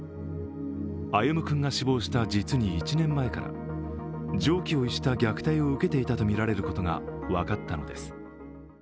歩夢君が死亡した実に１年前から常軌を逸した虐待を受けていたとみられることが分かったのです。